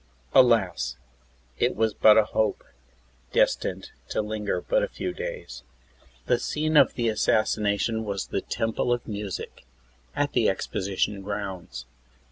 Alas! It was but a hope, destined to linger but a few days. The scene of the assassination was the Temple of Music, at the Exposi tion grounds.